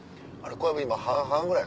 小籔今半々ぐらい？